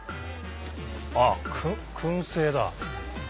あぁ燻製だ。